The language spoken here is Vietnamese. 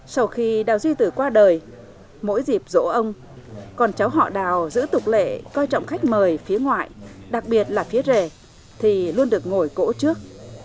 sau khi đào duy tử qua đời mỗi dịp dỗ ông con cháu họ đào giữ tục lệ coi trọng khách mời phía ngoại đặc biệt là phía rể thì luôn được ngồi cỗ trước